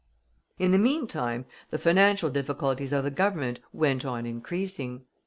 In the meantime, the financial difficulties of the Government went on increasing.